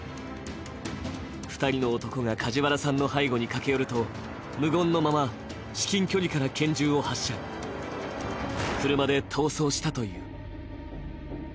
２人の男が梶原さんの背後に駆け寄ると、無言のまま至近距離から拳銃を発射、車で逃走したという。